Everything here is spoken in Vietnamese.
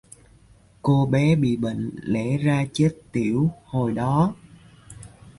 Cô bé bị bệnh lẽ ra chết tiểu hồi đó